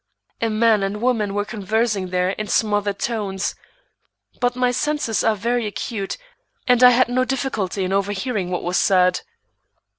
A man and woman were conversing there in smothered tones, but my senses are very acute, and I had no difficulty in overhearing what was said.